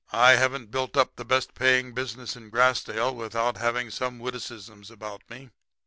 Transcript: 'I haven't built up the best paying business in Grassdale without having witticisms about me.